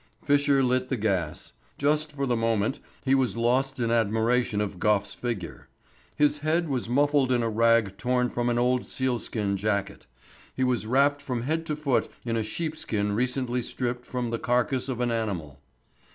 Fisher lit the gas. Just for the moment he was lost in admiration of Gough's figure. His head was muffled in a rag torn from an old sealskin jacket. He was wrapped from head to foot in a sheepskin recently stripped from the carcase of an animal.